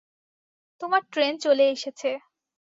তোমার ট্রেন চলে এসেছে।